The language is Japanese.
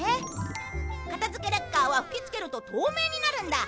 かたづけラッカーは吹き付けると透明になるんだ